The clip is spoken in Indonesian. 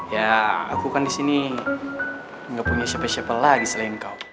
ya aku kan di sini nggak punya siapa siapa lagi selain kau